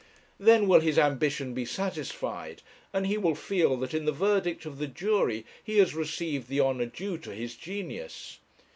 Then will his ambition be satisfied, and he will feel that in the verdict of the jury he has received the honour due to his genius.